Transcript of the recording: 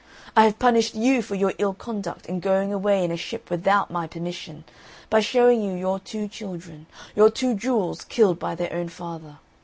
I have punished you for your ill conduct in going away in a ship without my permission, by showing you your two children, your two jewels, killed by their own father.